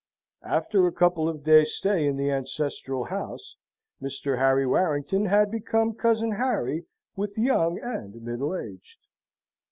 After a couple of days' stay in the ancestral house, Mr. Harry Warrington had become Cousin Harry with young and middle aged.